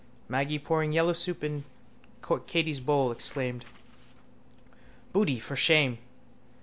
Maggy, pouring yellow soup in Katey's bowl, exclaimed: —Boody! For shame!